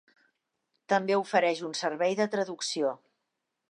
També ofereix un servei de traducció.